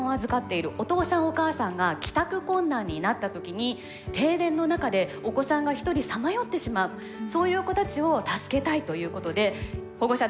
お父さんお母さんが帰宅困難になった時に停電の中でお子さんが１人さまよってしまうそういう子たちを助けたいということで保護者の方は帰宅した